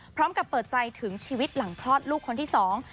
พร้อมกับเปิดใจถึงชีวิตหลังคลอดลูกคนที่สอง